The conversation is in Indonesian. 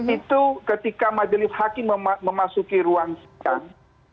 itu ketika majelis hakim memasuki ruang sidang